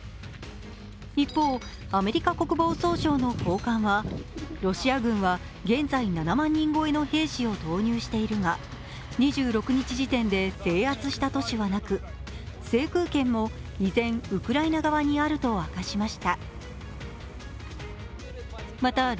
一方、アメリカ国防総省の高官は、ロシア軍は現在７万人超の兵士を投入しているが２６日時点で制圧した都市はなく、制空権も依然、ウクライナ側にあると明かしました。